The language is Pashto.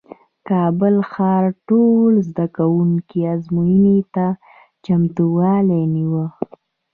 کابل ښار ټولو زدکوونکو ازموینې ته چمتووالی نیوه